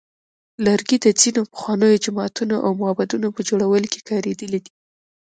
لرګي د ځینو پخوانیو جوماتونو او معبدونو په جوړولو کې کارېدلی دی.